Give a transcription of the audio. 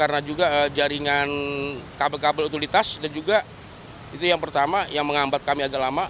karena juga jaringan kabel kabel itu ditas dan juga itu yang pertama yang menghambat kami agak lama